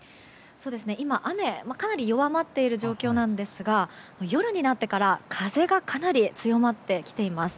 今、雨かなり弱まっている状況なんですが夜になってから風がかなり強まってきています。